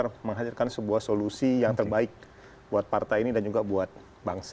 dan kita akan keluar mengajarkan sebuah solusi yang terbaik buat partai ini dan juga buat bangsa